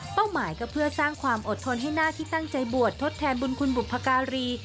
หมายก็เพื่อสร้างความอดทนให้หน้าที่ตั้งใจบวชทดแทนบุญคุณบุพการี